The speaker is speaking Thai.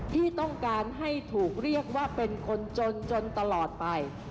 ที่ต้องการให้ถูกเรียกว่าเป็นคนจนจนตลอดไป